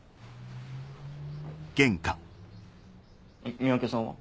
三宅さんは？